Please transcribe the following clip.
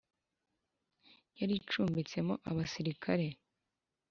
yari icumbitsemo abasirikari.